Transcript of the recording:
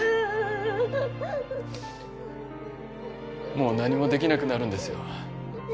もう何もできなくなるんですよ